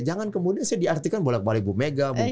jangan kemudian saya diartikan bolak balik bu mega